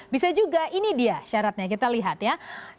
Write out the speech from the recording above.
bisa juga ini dia syaratnya kita lihat ya